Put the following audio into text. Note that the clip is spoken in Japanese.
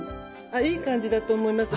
あいい感じだと思います。